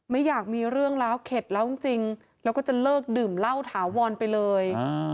ไม่อยากมีเรื่องแล้วเข็ดแล้วจริงแล้วก็จะเลิกดื่มเหล้าถาวรไปเลย